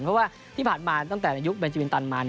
เพราะว่าที่ผ่านมาตั้งแต่ในยุคเบนจิวินตันมา